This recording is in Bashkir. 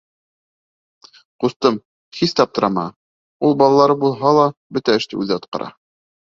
— Ҡустым, һис тә аптырама, ул балалары булһа ла, бөтә эште үҙе атҡара.